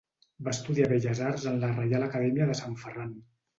Va estudiar Belles arts en la Reial Acadèmia de Sant Ferran.